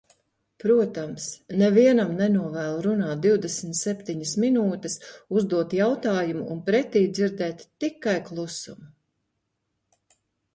Protams, nevienam nenovēlu runāt divdesmit septiņas minūtes, uzdot jautājumu un pretī dzirdēt tikai klusumu.